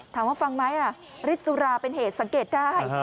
ฟังไหมฤทธิสุราเป็นเหตุสังเกตได้